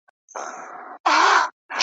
چي نه می نه میخانه وي نه ساقي نه پیمانه وي,